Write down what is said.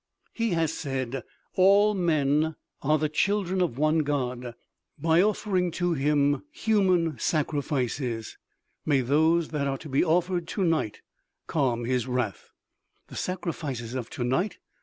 He has said all men are the children of one God. By offering to him human sacrifices.... May those that are to be offered to night calm his wrath." "The sacrifices of to night?"